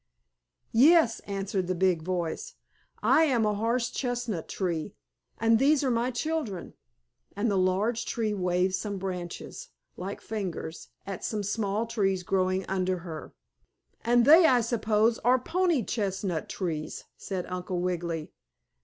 "Yes," answered the big voice. "I am a horse chestnut tree, and these are my children," and the large tree waved some branches, like fingers, at some small trees growing under her. "And they, I suppose, are pony chestnut trees," said Uncle Wiggily.